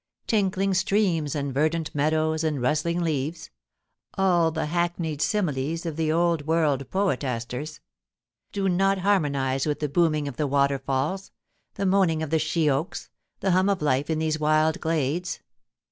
Tinkling streams and verdant meadows and rust ling leaves — all the hackneyed similes of the old world poetasters — do not harmonise with the booming of the water falls, the moaning of the she oaks, the hum of life in these wild glades.